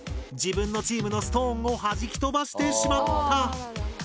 自分のチームのストーンをはじき飛ばしてしまった。